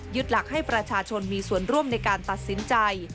หลักให้ประชาชนมีส่วนร่วมในการตัดสินใจ